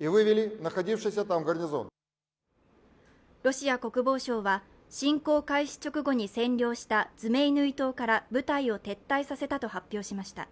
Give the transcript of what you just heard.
ロシア国防省は侵攻開始直後に占領したズメイヌイ島から部隊を撤退させたと発表しました。